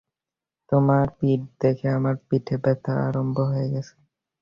তোমার পিঠ দেখে আমার পিঠে ব্যাথা আরাম্ব হয়ে গেছে।